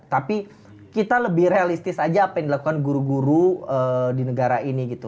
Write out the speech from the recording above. tapi kita lebih realistis aja apa yang dilakukan guru guru di negara ini gitu